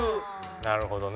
なるほどね。